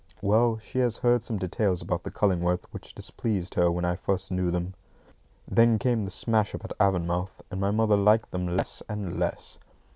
Well, she had heard some details about the Cullingworths which displeased her when I first knew them. Then came the smash up at Avonmouth, and my mother liked them less and less.